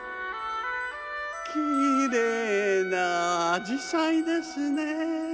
きれいなあじさいですね。